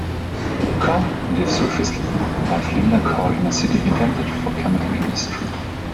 Kall lives with his wife Linda Kall in a city intended for chemical industry.